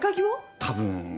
多分。